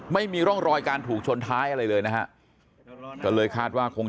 ไม่มีร่องรอยการถูกชนท้ายอะไรเลยนะฮะก็เลยคาดว่าคง